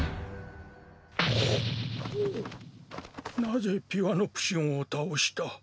なぜピュアノプシオンを倒した？